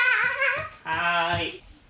はい。